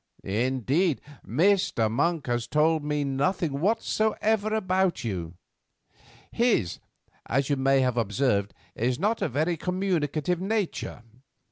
Indeed, Mr. Monk has told me nothing whatsoever about you. His, as you may have observed, is not a very communicative nature.